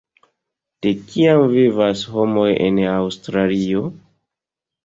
De kiam vivas homoj en Aŭstralio?